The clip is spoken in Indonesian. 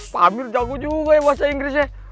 pamir jago juga ya bahasa inggrisnya